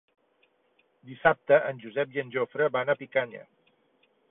Dissabte en Josep i en Jofre van a Picanya.